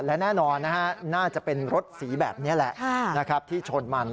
และแน่นอนน่าจะเป็นรถสีแบบนี้แหละที่ชนมัน